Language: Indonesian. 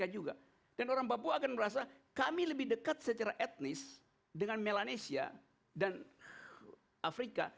orang papua akan merasa kami lebih dekat secara etnis dengan melanesia dan afrika